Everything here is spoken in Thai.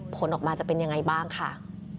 ผลออกมาจะเป็นยังไงบ้างค่ะ